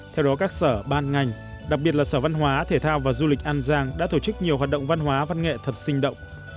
theo đó các sở ban ngành đặc biệt là sở văn hóa thể thao và du lịch an giang đã tổ chức nhiều hoạt động văn hóa văn nghệ thật sinh động